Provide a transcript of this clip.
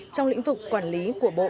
trong lĩnh vực quản lý của bộ